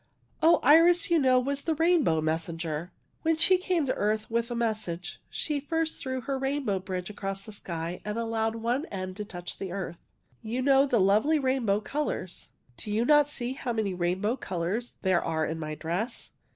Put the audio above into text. Oh, Iris, you know, was the rainbow mes senger. When she came to the earth with a message, she first threw her rainbow bridge across the sky and allowed one end to touch the earth. You know the lovely rainbow col ours. Do you not see how many rainbow col ours there are in my dress?